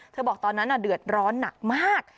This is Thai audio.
บอกตอนนั้นเดือดร้อนหนักมาก